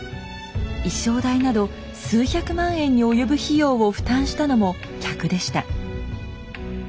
衣装代など数百万円に及ぶ費用を負担したのも客でした。